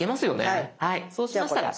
はいそうしましたら。